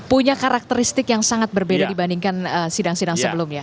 punya karakteristik yang sangat berbeda dibandingkan sidang sidang sebelumnya